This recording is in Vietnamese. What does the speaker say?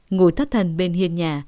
ngồi thất thần bên hiên nhà